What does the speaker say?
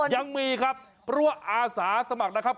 ยังมีครับเพราะว่าอาสาสมัครนะครับ